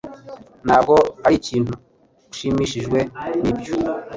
Ntabwo arikintu ushimishijwe, nibyo?